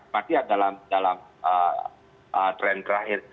tapi dalam trend terakhir